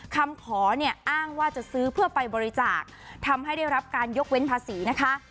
คำขอเนี่ยอ้างว่าจะซื้อเพื่อไปบริจาคทำให้ได้รับการยกเว้นภาษีนะคะ